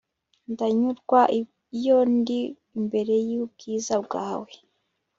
ndanyurwa iyo ndi imbere y'ubwiza bwawe